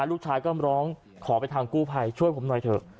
ลูกชายก็ร้องขอไปทางกู้ภัยช่วยผมหน่อยเถอะ